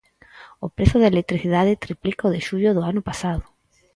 O prezo da electricidade triplica o de xullo do ano pasado.